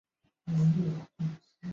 庙前有戏台。